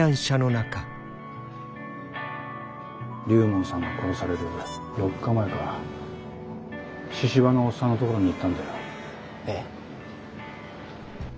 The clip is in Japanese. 龍門さんが殺される４日前か神々のおっさんのところに行ったんだよ。え？